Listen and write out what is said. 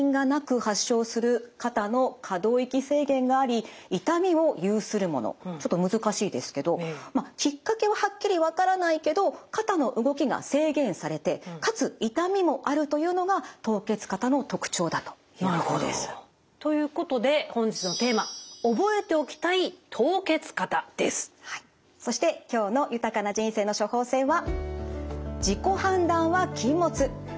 その凍結肩の定義なんですがちょっと難しいですけどきっかけははっきり分からないけど肩の動きが制限されてかつ痛みもあるというのが凍結肩の特徴だということです。ということで本日のテーマそして今日の「豊かな人生の処方せん」は。